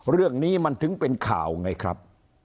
เรื่องนี้มันถึงเป็นข่าวไงครับ